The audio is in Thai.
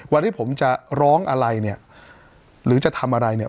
วันที่ผมจะร้องอะไรเนี่ยหรือจะทำอะไรเนี่ย